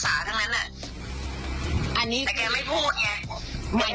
สวัสดีครับทุกคน